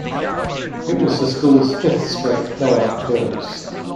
It was the school's fifth straight playoff appearance.